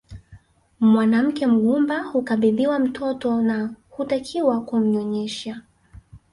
Mwanamke mgumba hukabidhiwa mtoto na hutakiwa kumnyonyesha